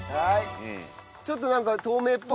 ちょっとなんか透明っぽい。